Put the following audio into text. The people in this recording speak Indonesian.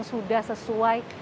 dan sudah sesuai